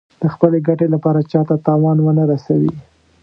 د خپلې ګټې لپاره چا ته تاوان ونه رسوي.